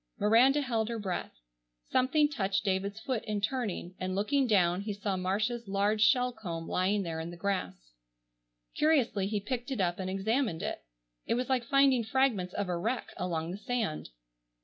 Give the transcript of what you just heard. Miranda held her breath. Something touched David's foot in turning, and, looking down, he saw Marcia's large shell comb lying there in the grass. Curiously he picked it up and examined it. It was like finding fragments of a wreck along the sand.